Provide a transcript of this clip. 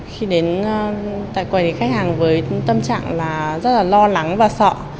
khi đến tại quầy thì khách hàng với tâm trạng là rất là lo lắng và sợ